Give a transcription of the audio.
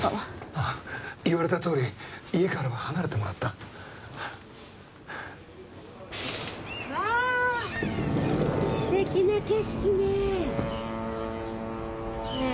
ああ言われたとおり家からは離れてもらったわあ素敵な景色ねねえ